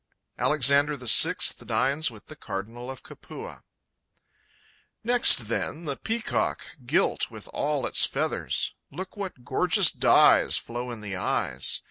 Alexander VI Dines with the Cardinal of Capua Next, then, the peacock, gilt With all its feathers. Look, what gorgeous dyes Flow in the eyes!